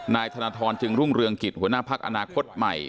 นายธนทรจึงรุ่งเรืองกิจหัวหน้าพักอนาคตใหม่